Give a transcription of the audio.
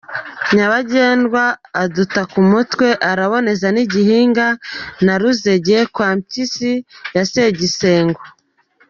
Nyabagendwa aduta ku mutwe, araboneza n’ i Gihinga na Ruzege kwa Mpyisi ya Sagisengo.